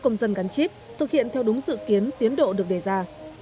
công dân gắn chip thực hiện theo đúng dự kiến tiến độ được đề ra